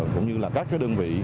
cũng như là các cái đơn vị